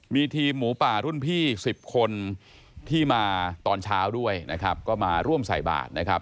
มีทีมหมูป่ารุ่นพี่๑๐คนที่มาตอนเช้าด้วยนะครับก็มาร่วมใส่บาทนะครับ